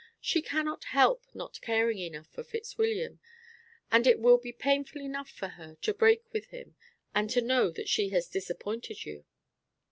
She cannot help not caring enough for Fitzwilliam, and it will be painful enough for her to break with him and to know that she has disappointed you."